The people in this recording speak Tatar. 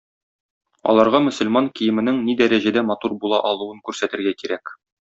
Аларга мөселман киеменең ни дәрәҗәдә матур була алуын күрсәтергә кирәк.